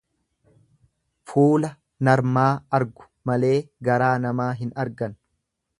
Fuula narmaa argu malee garaa namaa hin argan.